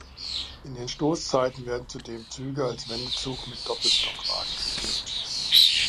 In den Stoßzeiten werden zudem Züge als Wendezug mit Doppelstockwagen geführt.